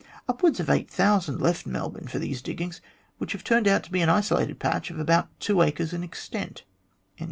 Upwards of 8000 left Melbourne for these diggings, which have turned out to be an isolated patch of about two acres in extent."